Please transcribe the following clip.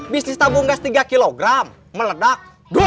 bisnis tabung gas tiga kg meledak